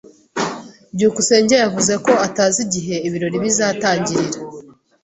byukusenge yavuze ko atazi igihe ibirori bizatangirira.